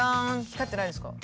光ってないですか。